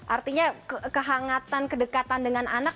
artinya kehangatan kedekatan dengan anak